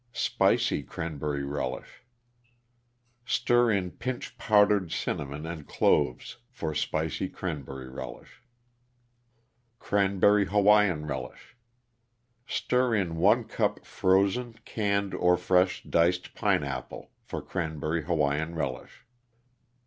=Spicy Cranberry Relish.= Stir in pinch powdered cinnamon and cloves for Spicy Cranberry Relish. =Cranberry Hawaiian Relish.= Stir in 1 cup frozen, canned or fresh diced pineapple for Cranberry Hawaiian Relish.